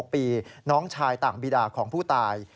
อายุ๒๖ปีน้องชายต่างบิดากของผู้ตาย